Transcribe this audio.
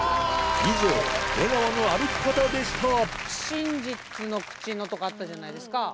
以上「出川の歩き方」でした真実の口のとこあったじゃないですか。